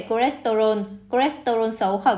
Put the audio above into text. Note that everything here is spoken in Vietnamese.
cholesterol cholesterol xấu khỏi